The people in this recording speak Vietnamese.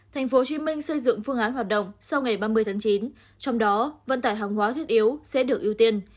thành phố hồ chí minh xây dựng phương án hoạt động sau ngày ba mươi tháng chín trong đó vận tải hàng hóa thiết yếu sẽ được ưu tiên